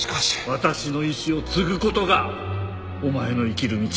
私の意志を継ぐ事がお前の生きる道だ。